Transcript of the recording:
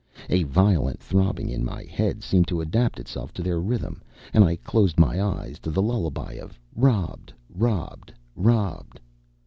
A violent throbbing in my head seemed to adapt itself to their rhythm, and I closed my eyes to the lullaby of "Robbed, robbed, robbed."